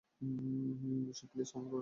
Bishu, please অমন কোরো না।